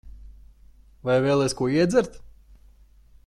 Vai vēlies ko iedzert?